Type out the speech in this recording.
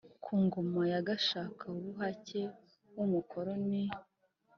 ku ngoma ya gashakabuhake w’umukoroni.